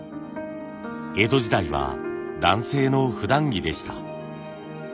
江戸時代は男性のふだん着でした。